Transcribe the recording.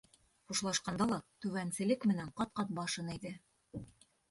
Хушлашҡанда ла түбәнселек менән ҡат-ҡат башын эйҙе.